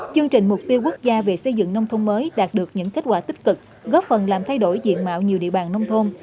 chương trình mục tiêu quốc gia về xây dựng nông thôn mới đạt được những kết quả tích cực góp phần làm thay đổi diện mạo nhiều địa bàn nông thôn